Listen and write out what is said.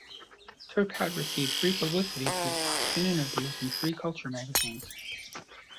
Turcotte received free publicity through blogs and interviews in free culture magazines.